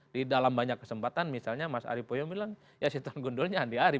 di dalam banyak kesempatan misalnya mas arief puyono bilang ya setan gundulnya andi ari